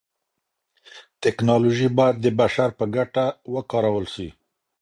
تکنالوژي بايد د بشر په ګټه وکارول سي.